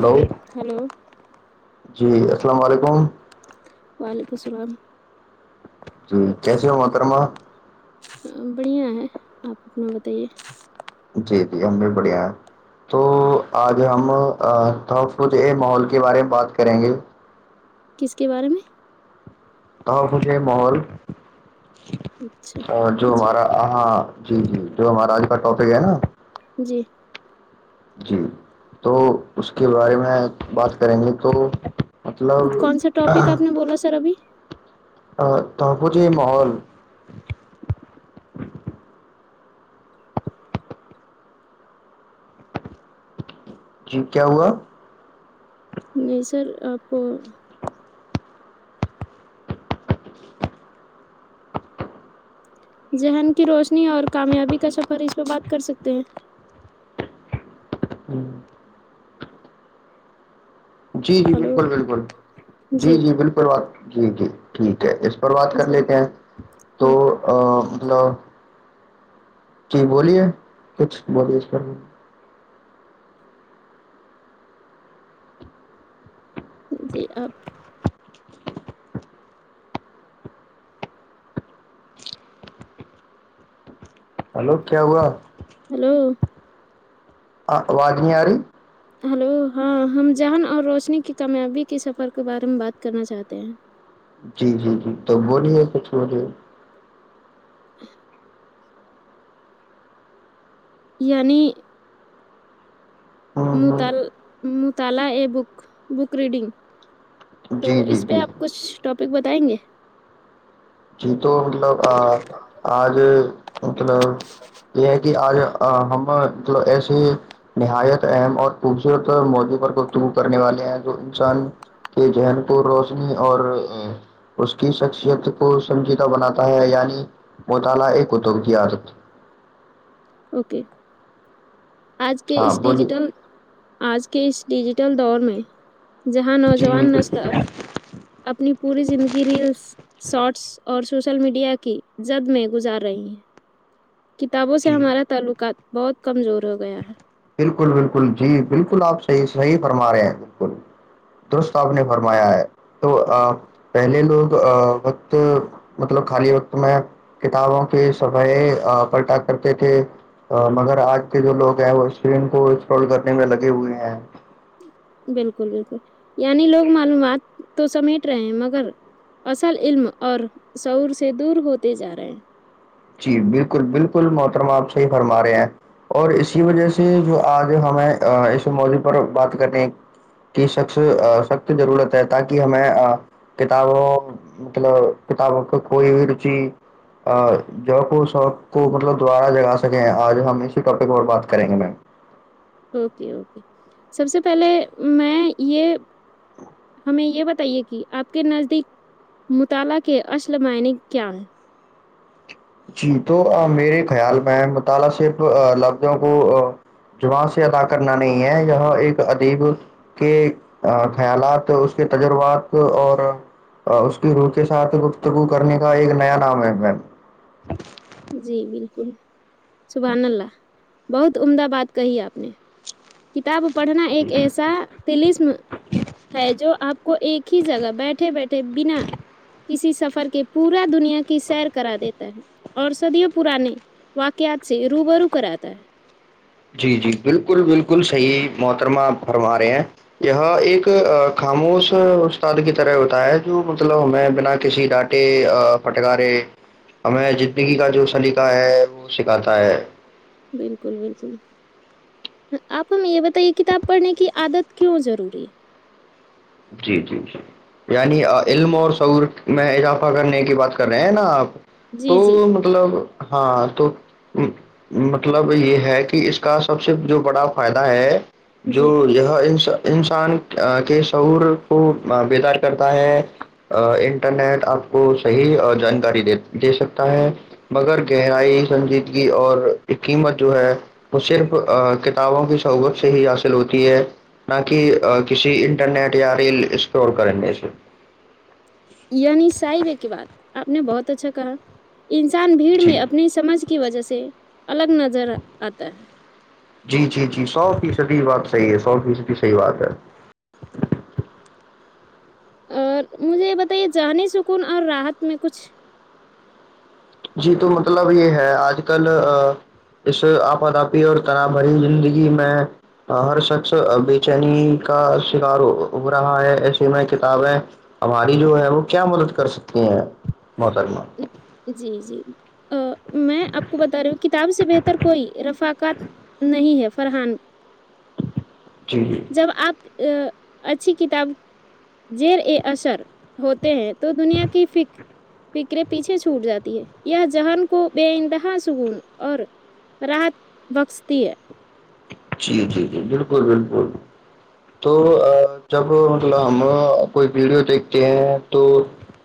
hello hello جی السلام علیکم وعلیکم اللام جی کیسے ہو مترما بڑھیا ہے آپ اپنا بتائیے جی جی ہم بھی بڑھیا ہے تو آج ہم کھ یہ ماحول کے بارے میں بات کریں گے کس کے بارے میں تو بھے محول اچھا اور جو جی ہمارا آاں جی جی جو ہمارا آج کا ٹاپک ہے نا جی جی تو اس کے بارے میں بات کریں گے تو کون سا مطلب ٹاپک آپ نے بولا سر ابھی ا تپ ج محول [unintelligible] جی کیا ہوا نہیں سر آپ ذہن کی روشنی اور کامیابی کا سفر اس پر بات کر سکتے ہیں ہ [inaudible] جی جی ہلو بالکل بالکل جی جی بالکلات جی جی جٹیک اس پر بات کر جی لیتے ہیں تو ہاں نو جی بولیے کچھ بولیے اس جی آپ [unintelligible] ہلو کیا ہوا ہیلو آ واجنی آاری ہلو ہاں ہم جہن اور روشنی کی کامیابی کے سفر کے بارے میں بات کرنا چاہتے ہیں جی جی جی تو بولیے کچھ بولیے [unintelligible] یعنی م ہوں ہوں تال [unintelligible] مطالعہ ا بک بک ریڈنگ تو جی جی اس پہ جی آپ کچھ ٹاپ ک بتائیں گے جی تو مطلب آج مطلب یہ ہے کہ آج ہمل ایسے نہایت اہم اور خوبصورت موضوع پر گفتگو کرنے والے ہیں جو انسان کے ذہن کو روشنی اور اس کی شخصیت کو سمجیدہ بناتا ہے یعنی موطالا ایک ادوگ کی آرت اوکے آج کے ہاں اس بولیے ڈیجیٹل آج کے اس ڈیجیٹل دور میں جہاں جی جی نوجوان بالکل نل اپنی پوری زندگی ریلس شارٹس اور سوشل میڈیا کی زد میں گزار رہی ہیں کتابوں سے ہمارا تعلقات بہت کمزور ہو گیا ہے بالکل بالکل جی بالکل آپ صحیح صحیح فرما رہے ہیں بالکل درست آپ نے فرمایا ہے تو پہلے لوگ وقت مطلب خالی وقت میں کتابوں کے صفح پلٹا کرتے تھے مگر آج کے جو لوگ ہیں وہ اسرین کو انسٹال کرنے میں لگے ہوئے ہیں بالکل بالکل یعنی لوگ معلومات تو سمیٹ رہے ہیں مگر اصل علم اور شور سے دور ہوتے جا رہے ہیں جی بالکل بالکل محترمہ آپ صحیح فرما رہے ہیں اور اسی وجہ سے جو آج ہمیں اس موضع پر بات کرنے کی سخ سخت ضرورت ہے تاکہ ہمیں کتابوں مطلب کتابوں کا کوئی بھی رچی ج کو شوق کو مطلب دوبارہ جگا سکیں آج ہم اسی ٹاپک اور بات کریں گے میم اوکے اوکے سب سے پہلے میں یہ ہمیں یہ بتائیے کہ آپ کے نزدیک مطالعہ کے اصل معنی کیا ہے جی تو میرے خیال میں مطالعہ صرف لفظوں کو جاں سے ادا کرنا نہیں ہے یہ ایک ادیب کے خیالات اس کے تجربات اور اس کی روح کے ساتھ گفتگو کرنے کا ایک نیا نام ہے میم [unintelligible] جی بالکل سبحان اللہ بہت عمدہ بات کہی آپ نے کتاب پڑھنا ایک ایسا تلسم ہے جو آپ کو ایک ہی جگہ بیٹھے بیٹھے بنا کسی سفر کے پورا دنیا کی سیر کرا دیتا ہے اورسدی پرانے واقعات سے روب رو کراتا ہے جی جی بالکل بالکل صحیح محترمہ آپ فرما رہے ہیں یہ ایک خاموش استاد کی طرح ہوتا ہے جو مطلب ہمیں بنا کسی ڈانٹے پھٹکارے ہمیں زندگی کا جو سلیقہ ہے وہ سکھاتا ہے بالکل بالکل آپ ہمیں یہ بتائیے کتاب پڑھنے کی عادت کیوں ضروری ہے جی جی جی یعنی علم اور سعور میں اضافہ کرنے کی بات کر رہے ہیں نا آپ ہے تو جی جی مطلب ہاں تو مطلب یہ ہے کہ اس کا سب سے جو بڑا فائدہ ہے جو جی یہاں اسا انسان کے تعور کو بیدار کرتا ہے انٹرنیٹ آپ کو صحیح جانکاری د دے سکتا ہے مگر گہرائی سنجیدگی اور قیمت جو ہے وہ صرف کتابوں کی صوبت سے ہی حاصل ہوتی ہے نہ کہ کسی انٹر نٹ یاار اسور کر یعنی صاحب ہے کی بات آپ نے بہت اچھا کہا انسان بھیڑ جی میں اپنی سمجھ کی وجہ سے الگ نظر آتا ہے جی جی جی سو فیصدی بات صحی ہے س کی صحیح بات ہے اور مجھے یہ بتائیے جذہنی سکون اور راحت میں کچھ جی تو مطلب یہ ہے آج کل اس آپاداپی اور تنا بھری زندگی میں ہر شخص بے چینی کا شکار ہو رہا ہے ایسیے میں کتابیں ہماری جو ہے وہ کیا مدد کر سکتی ہیں محترمہ جی جی میں آپ کو بتا رہی ہوں کتاب سے بہتر کوئی رفقات نہیں ہے فرحان جی جب آپ ا اچھی کتاب زیر اے اثر ہوتے ہیں تو دنیا کی فکر فکرے پیچھے چھوٹ جاتی ہے یہ جہن کو بے انتہا سکون اور راحت بخشتی ہے جی جی جی بالکل بالکل تو جب مطلب ہم کوئی ویڈیو دیکھتے ہیں تو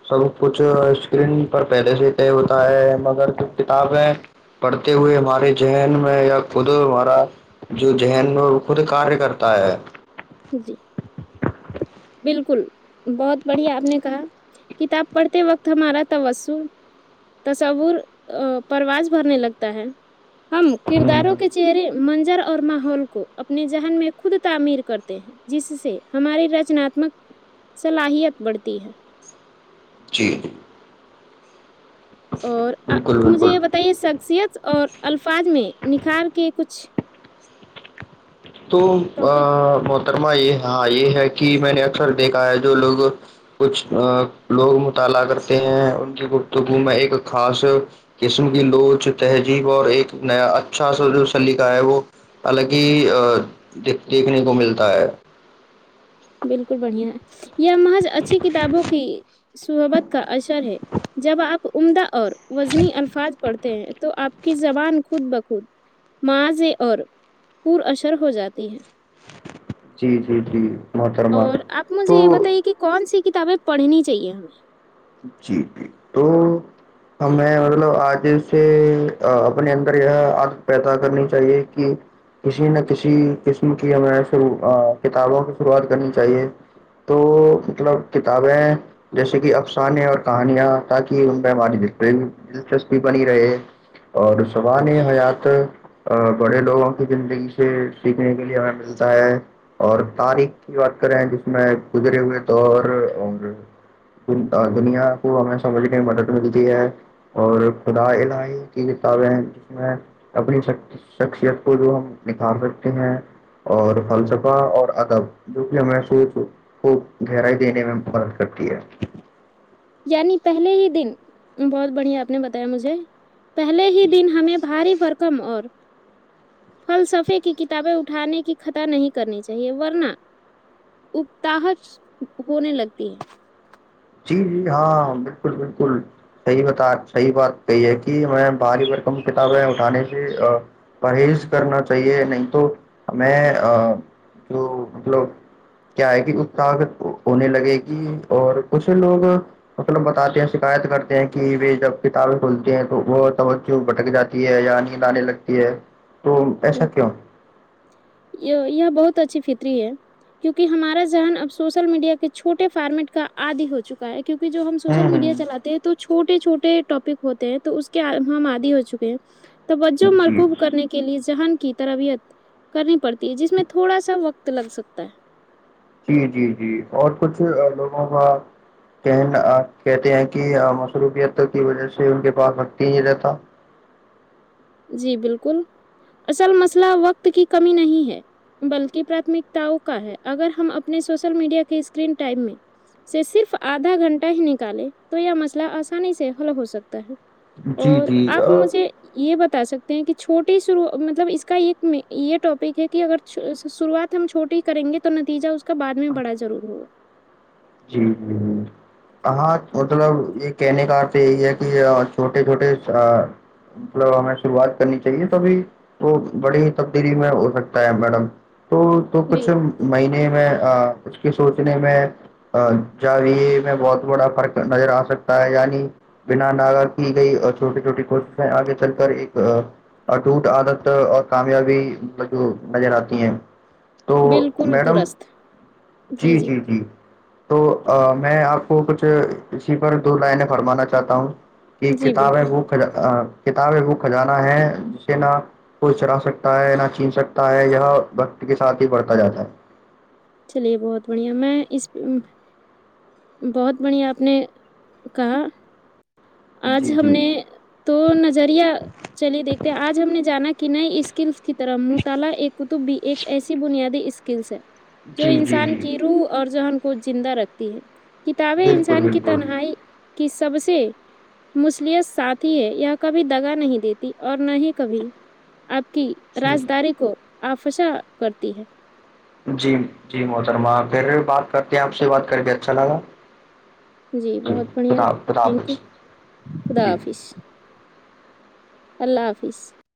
سب کچھ اسکرین پر پہلے سے طے ہوتا ہے مگر جو کتاب ہے پڑھتے ہوئے ہمارے ذہن میں یا خود ہمارا جو ذہن وہ خود کار کرتا ہے جی بالکل بہت بڑھیا آپ نے کہا کتاب پڑھتے وقت ہمارا تسر تصور پرواز بھرنے لگتا ہے ہم ہوں کرداروں ہ کے چہرے منظر اور ماحول کو اپنے ذہن میں خود تعمیر کرتے ہیں جس سے ہماری رج رمک صلاحیت بڑھتی ہے چین اور مجھے بالکل یہ بتائیے شخصیت اور الفاظ میں نکھار کے کچھ تو ٹاپک خترما یہ ہاں یہ ہے کہ میں نے اکثر دیکھا ہے جو لوگ کچھ لوگ مطالعہ کرتے ہیں ان کی گفتگو میں ایک خاص قسم کی لوچ تہذیب اور ایک نیا اچھا سا جو سلیقہ ہے وہ حالکہ دیکھنے کو ملتا ہے بالکل بڑھیا ہے یہ محض اچھی کتابوں کی صحبت کا اثر ہے جب آپ عمدہ اور وزنی الفاظ پڑھتے تو آپ کی زبان خود بخود معاذ اور پر اشر ہو جاتی ہے جی جی جی محترمہ اور آپ مجھے یہ تو بتائیے کہ کون سی کتابیں پڑھنی چاہیے ہمیں جی جی تو ہمیں مطلب آج سے اپنے اندر یہ عادت پیدا کرنی چاہیے کہ کسی نہ کسی قسم کی ہمیںرو کتابوں کی شروعات کرنی چاہیے تو مطلب کتابیں جیسے کہ انے اور کہانیاں تاکہ ان پہ ہماری دلچسپی بنی رہے اور زبان ہمیں یہ حیات بڑے لوگوں کی زندگی سے سیکھنے کے لیے ہمیں ملتا ہے اور تاریخ کی بات کریں جس میں گزرے ہوئے دور اور دنیا کو ہمیں سمجھنے میں مدد ملتی ہے اور خدا الہی کی کتابیں ہیں جس میں اپنی شخصیت کو جو ہم نکھار سکتے ہیں اور فلسفہ اور ادب جو کہ ہمیں سوچ کو گہرائی دینے میں مدد کرتی ہے یعنی پہلے ہی دن بہت بڑھیا آپ نے بتایا مجھے پہلے ہی دن ہمیں بھاری برکم اور فلسفے کی کتابیں اٹھانے کی خطا نہیں کرنی چاہیے ورنہ اتاحک ہونے لگتی ہے جی جی ہاں بالکل بالکل صحیح بتا صحیح بات کہی ہے کہ ہمیں باری بار کم کتابیں اٹھانے سے پرہیز کرنا چاہیے نہیں تو ہمیں جو مطلب کیا ہے کہ است ہونے لگے گی اور اسے لوگ مطلب بتاتے ہیں شکایت کرتے ہیں کہ وہ جب کتابیں کھولتے ہیں تو وہ توجہ بھٹک جاتی ہے یا نیند آنے لگتی ہے تو ایسا اوک کیوں یہ یہ بہت اچھی فر ہے کیونکہ ہمارا ذہن اب سوشل میڈیا کے چھوٹے فارمیٹ کا آدی ہو چکا ہے کیک جو ہم سوشل ہوں میڈیا ہوں چلے ہیں تو چھوٹے چھوٹے ٹاپک ہوتے ہیں تو اس کے ہم عادی ہو چکے ہیں توجہ جی مرکوب کرنے کے لیے کی تربیت کرنی پڑتی جس میں تھوڑا سا وقت تو لگ سکتا ہے جی جی جی اور کچھ لوگوں کا کہن کہتے ہیں کہ مصروفیت کی وجہ سے ان کے پاس وقتی نہیں رہتا جی بالکل اصل مسئلہ وقت کی کمی نہیں ہے بلکہ پراتمکتاؤ کا ہے اگر ہم اپنے سوشل میڈیا کے اسکرین ٹائم میں سے صرف آدھا گھنٹہ ہی نکالے تو یہ مسئلہ آسانی سے حل ہو سکتا ہے جی اور آپ جی مجھے یہ بتا کہ چھوٹیو مطلب اس کا ایک یہ ٹاپک ہے کہ اگر شروعات ہم چھوٹیے ہی کریں گے تو نتیجہ اس کا بعد میں بڑا ضرور ہوا جی جی ج ہاں مطلب یہ کہنے کا ارھ یہی ہے کہ چھوٹے چھوٹے مطلب ہمیں شروعات کرنی چاہیے تبھی تو بڑی ہی تبدیلی میں ہو سکتا ہے میڈم تو تو کچھ بالکل مہینے میں اس کے سوچنے میں جاوے میں بہت بڑا فرق نظر آ سکتا ہے یعنی بنا ن کی گئی چھوٹی چھوٹی کوششیں آگے چل کر ایک اٹوٹ عادت اور کامیابی جو نظر آتی ہے تو بالکل میڈم درست جی جی جی تو میں آپ کو کچھ اسی پر دو لائن فرمانا چاہتا ہوں ایک جی کتاب ہے بالکل وہ کتاب ایک کو خجانہ ہے جسے نہ کوئی چرا سکتا ہے نہ چن سکتا ہے یہ وقت کے ساتھ ہی بڑھتا جاتا ہے چلیے بہت بڑھیا میں اس بہت بڑھیا آپ نے کہا آج جی ہم جی نے تو نظریہ چلی دیکھے آج ہم نے جانا کہ نہیں اسکل [unintelligible] کی طرح من تالا ایک قطب بھی ایک ایسی بنیادی اس اسکلس ہے [unintelligible] جو جی جی انسان جی کی روح اور جو کو زندہ رکھتی ہے [unintelligible] کتابیں بالکل انسان کی بالکل تنہائی کی [unintelligible] سب سے مصلت ساتھی ہے یہ کبھی دگا نہیں دیتی اور نہ ہی کبھی آب [unintelligible] کی جی راجداری کو [unintelligible] آفشاں کرتی ہے [unintelligible] جی جی محترما پھر بات کرتے ہیں آپ سے بات کر کے اچھا لگا جی بہت بڑھیا خدا خدا تھینک یو حافظ خدا جی حافظ اللہ حافظ آفس [unintelligible]